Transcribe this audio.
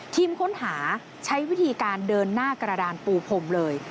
ทีมค้นหาใช้วิธีการเดินหน้ากระดานปูพรมเลย